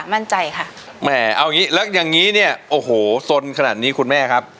มั่นใจค่ะแม่เอาอย่างงี้แล้วอย่างงี้เนี่ยโอ้โหสนขนาดนี้คุณแม่ครับ